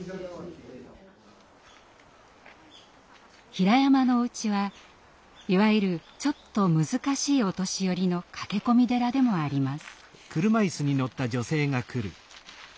ひらやまのお家はいわゆる「ちょっと難しいお年寄り」の駆け込み寺でもあります。